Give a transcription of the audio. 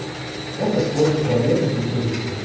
Гэта створыць праблемы для турыстаў.